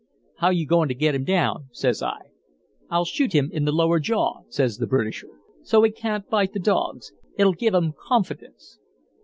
"'How you goin' to get him down?' says I. "'I'll shoot him in the lower jaw,' says the Britisher, 'so he cawn't bite the dogs. It 'll give 'em cawnfidence.'